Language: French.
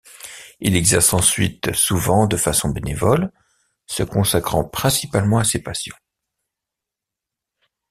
Il exerce ensuite souvent de façon bénévole, se consacrant principalement à ses passions.